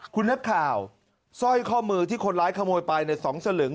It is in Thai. คุณนักข่าวสร้อยข้อมือที่คนร้ายขโมยไปใน๒สลึง